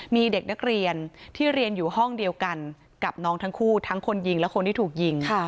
มีเด็กนักเรียนที่เรียนอยู่ห้องเดียวกันกับน้องทั้งคู่ทั้งคนยิงและคนที่ถูกยิง